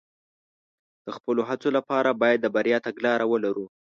د خپلو هڅو لپاره باید د بریا تګلاره ولرو.